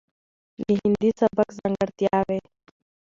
،دهندي سبک ځانګړتياوې،